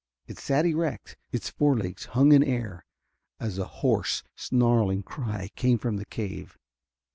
It sat erect, its forelegs hung in air, as a hoarse, snarling cry came from the cave.